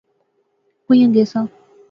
کوئیاں گیساں؟